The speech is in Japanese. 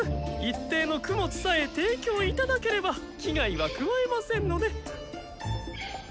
一定の供物さえ提供頂ければ危害は加えませんので。